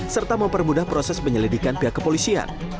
serta mempermudah proses penyelidikan pihak kepolisian